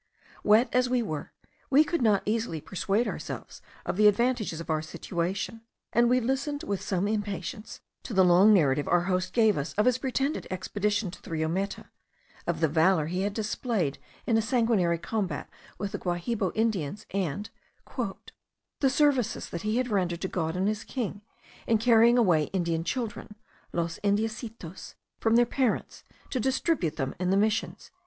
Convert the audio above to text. Wet as we were, we could not easily persuade ourselves of the advantages of our situation, and we listened with some impatience to the long narrative our host gave us of his pretended expedition to the Rio Meta, of the valour he had displayed in a sanguinary combat with the Guahibo Indians, and "the services that he had rendered to God and his king, in carrying away Indian children (los Indiecitos) from their parents, to distribute them in the Missions."